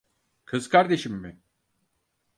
Kız kardeşim mi?